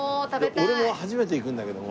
俺も初めて行くんだけども。